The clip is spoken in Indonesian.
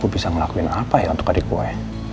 bisa ngelakuin apa ya untuk adik gue